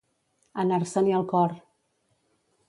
Anar-se-n'hi el cor.